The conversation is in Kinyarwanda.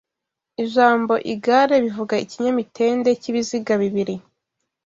Ijambo igare bivuga ikinyamitende cy'ibiziga bibiri